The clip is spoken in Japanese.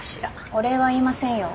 お礼は言いませんよ。